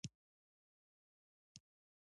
په رېږېدونکي اواز سره يې وويل چې لالا منم.